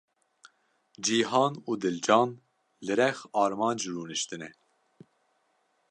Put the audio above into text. Cîhan û Dilcan li rex Armanc rûniştine.